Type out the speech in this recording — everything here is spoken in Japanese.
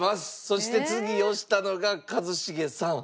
そして次押したのが一茂さん。